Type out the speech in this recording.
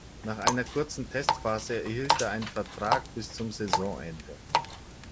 Nach einer kurzen Testphase erhielt er einen Vertrag bis zum Saisonende.